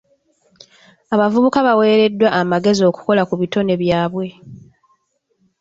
Abavubuka baweereddwa amagezi okukola ku bitone byabwe.